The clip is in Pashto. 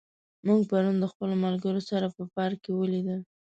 موږ پرون د خپلو ملګرو سره په پارک کې ولیدل.